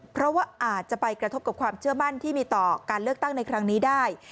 เพราะว่าอาจจะไปกระทบกับความเชื่อมั่นที่มีต่อการเลือกตั้งในครั้งนี้ได้